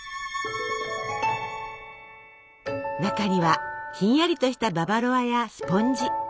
中にはひんやりとしたババロアやスポンジ。